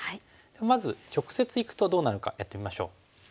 まず直接いくとどうなるかやってみましょう。